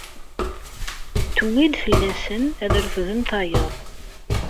Tuwi-d fell-asen ad refden tayeḍ.